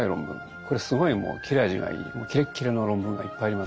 これすごいもう切れ味がいいキレッキレの論文がいっぱいあります。